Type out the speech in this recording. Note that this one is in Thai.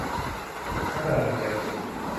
ลักษณะสิบเอ็ด